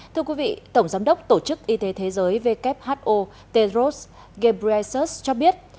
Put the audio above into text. thưa quý vị tổng giám đốc tổ chức y tế thế giới who tedros ghebreyesus cho biết